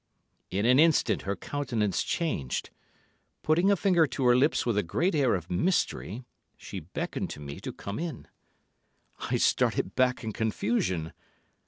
In an instance her countenance changed. Putting a finger to her lips with a great air of mystery, she beckoned to me to come in. I started back in confusion.